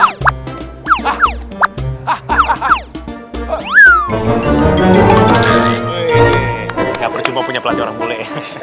gak berjumah punya pelatih orang bule